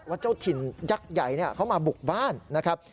เจ้าถิ่นยักษ์ใหญ่เขามาบุกบ้านนะครับ